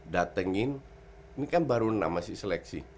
datengin ini kan baru enam masih seleksi